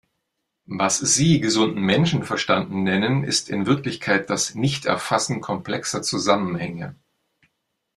Was Sie gesunden Menschenverstand nennen, ist in Wirklichkeit das Nichterfassen komplexer Zusammenhänge.